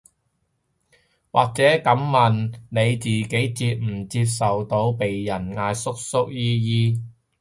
或者噉問，你自己接唔接受到被人嗌叔叔姨姨